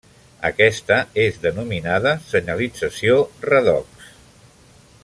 Aquesta és denominada senyalització redox.